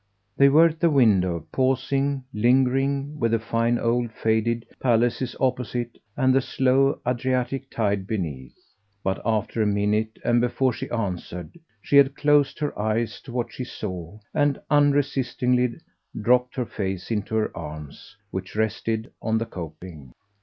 They were at the window, pausing, lingering, with the fine old faded palaces opposite and the slow Adriatic tide beneath; but after a minute, and before she answered, she had closed her eyes to what she saw and unresistingly dropped her face into her arms, which rested on the coping.